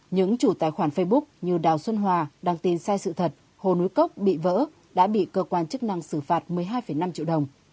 những chủ tài khoản facebook như đào xuân hòa đăng tin sai sự thật hồ núi cốc bị vỡ đã bị cơ quan chức năng xử phạt một mươi hai năm triệu đồng